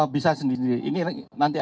bisa sendiri ini nanti